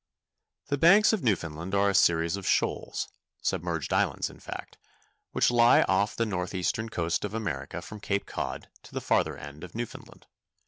] The Banks of Newfoundland are a series of shoals—submerged islands, in fact—which lie off the northeastern coast of America from Cape Cod to the farther end of Newfoundland.